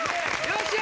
よし！